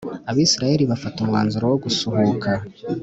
Abisirayeri bafata umwanzuro wo gusuhuka